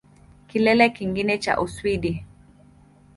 Kilele kingine cha Uswidi